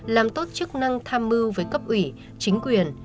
làm tốt chức năng tham mưu với cấp ủy chính quyền